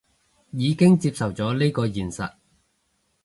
已經接受咗呢個現實